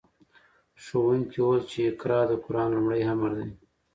ښوونکي وویل چې اقرأ د قرآن لومړی امر دی.